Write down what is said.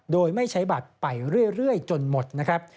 โดยไม่ใช้บัตรไปเรื่อยจนหมดนะครับ